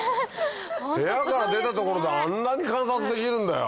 部屋から出た所であんなに観察できるんだよ？